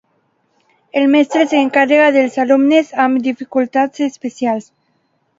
El mestre s'encarrega dels alumnes amb dificultats especials.